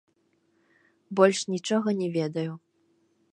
Больш нічога не ведаю.